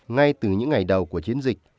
ngay từ những ngày đầu của chiến dịch